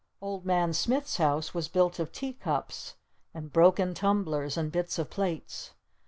Old Man Smith's house was built of tea cups! And broken tumblers! And bits of plates!